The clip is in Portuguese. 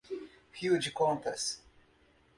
Rio de Contas